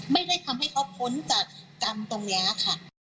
ไม่ได้ทำให้เขาพ้นจากกรรมตรงนี้ค่ะ